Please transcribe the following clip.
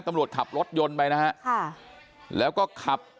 ตำรวจขับรถยนต์ไปนะฮะค่ะแล้วก็ขับ